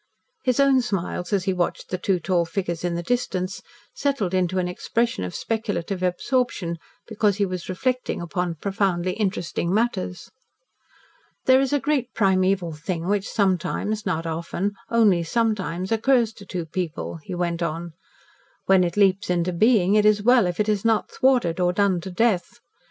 His own smiles, as he watched the two tall figures in the distance, settled into an expression of speculative absorption, because he was reflecting upon profoundly interesting matters. "There is a great primeval thing which sometimes not often, only sometimes occurs to two people," he went on. "When it leaps into being, it is well if it is not thwarted, or done to death.